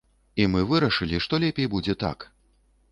І мы вырашылі, што лепей будзе так.